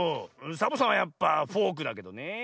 サボさんはやっぱフォークだけどねえ。